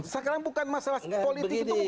sekarang bukan masalah politik itu